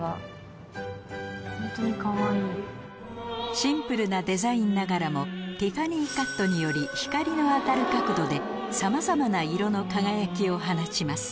シンプルなデザインながらもティファニーカットにより光の当たる角度でさまざまな色の輝きを放ちます